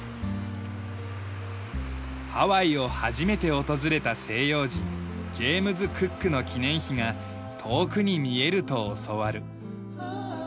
ハワイを初めて訪れた西洋人ジェームズ・クックの記念碑が遠くに見えると教わる。